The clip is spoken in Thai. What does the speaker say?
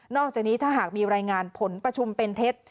อกจากนี้ถ้าหากมีรายงานผลประชุมเป็นเท็จ